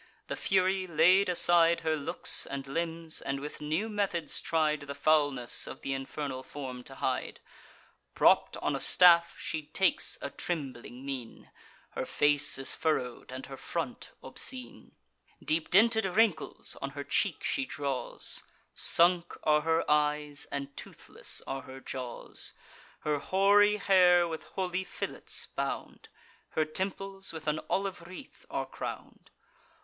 The Fury laid aside Her looks and limbs, and with new methods tried The foulness of th' infernal form to hide. Propp'd on a staff, she takes a trembling mien: Her face is furrow'd, and her front obscene; Deep dinted wrinkles on her cheek she draws; Sunk are her eyes, and toothless are her jaws; Her hoary hair with holy fillets bound, Her temples with an olive wreath are crown'd.